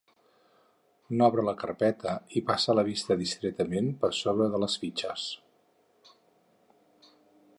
N'obre la carpeta i passa la vista distretament per sobre de les fitxes.